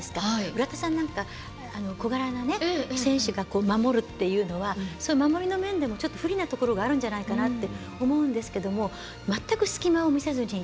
浦田さんなんか小柄な選手が守るっていうのは守りの面でも不利なところがあるんじゃないかなって思うんですけども全く隙間を見せずに。